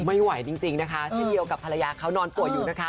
ไม่ไหวจริงนะคะเช่นเดียวกับภรรยาเขานอนป่วยอยู่นะคะ